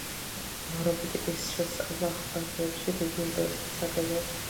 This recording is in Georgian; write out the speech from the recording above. რობოტიკის შესწავლა ახალგაზრდებში დიდი ინტერესით სარგებლობს.